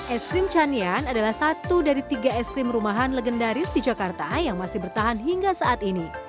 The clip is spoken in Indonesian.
es krim canian adalah satu dari tiga es krim rumahan legendaris di jakarta yang masih bertahan hingga saat ini